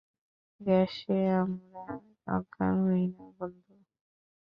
গ্যাসে আমরা অজ্ঞান হই না, বন্ধু।